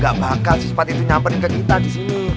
gak bakal cepat itu nyamperin ke kita disini